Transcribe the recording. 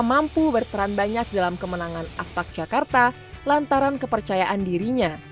mampu berperan banyak dalam kemenangan aspek jakarta lantaran kepercayaan dirinya